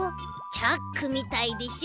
チャックみたいでしょ？